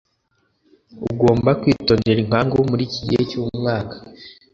ugomba kwitondera inkangu muri iki gihe cyumwaka